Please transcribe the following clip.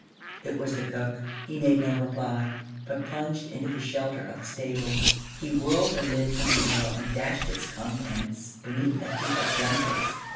It was the cook. He made no reply, but plunged into the shelter of the stables. He whirled the lid from the pail and dashed its contents beneath a heap of blankets.